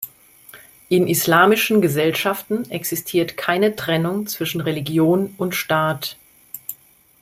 In islamischen Gesellschaften existiert keine Trennung zwischen Religion und Staat.